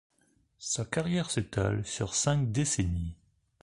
Sa carrière s'étale sur cinq décennies.